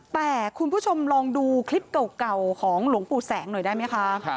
แต่คุณผู้ชมลองดูคลิปเก่าของหลวงปู่แสงหน่อยได้ไหมคะ